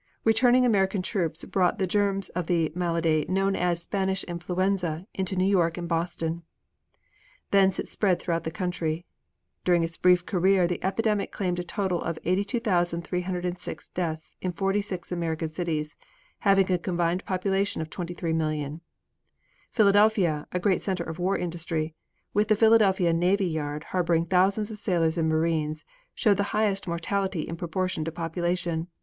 Returning American troops brought the germs of the malady known as "Spanish influenza" into New York and Boston. Thence it spread throughout the country. During its brief career the epidemic claimed a total of 82,306 deaths in forty six American cities, having a combined population of 23,000,000. Philadelphia, a great center of war industry, with the Philadelphia Navy Yard harboring thousands of sailors and marines, showed the highest mortality in proportion to population, 7.